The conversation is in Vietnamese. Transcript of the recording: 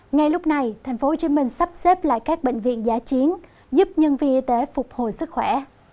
ngay lúc này tp hcm sắp xếp lại các bệnh viện giá chiến giúp nhân viên y tế phục hồi sức khỏe